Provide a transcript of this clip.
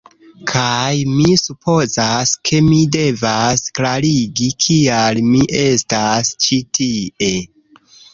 Kaj mi supozas, ke mi devas klarigi kial mi estas ĉi tie